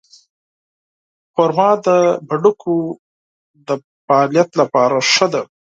خرما د ګردو د فعالیت لپاره ښه ده.